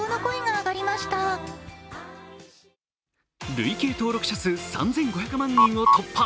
累計登録者数３５００万人を突破。